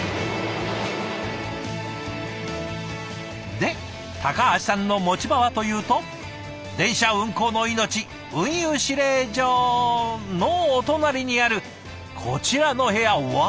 で橋さんの持ち場はというと電車運行の命運輸指令所のお隣にあるこちらの部屋うわ！